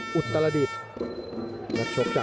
ทุกคนค่ะ